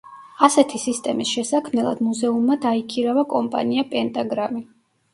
ასეთი სისტემის შესაქმნელად მუზეუმმა დაიქირავა კომპანია პენტაგრამი.